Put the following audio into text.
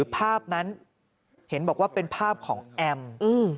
ภาพนั้นเห็นบอกว่าเป็นภาพของแอม